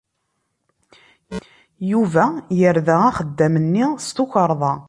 Yuba yerda axeddam-nni s tukerḍa.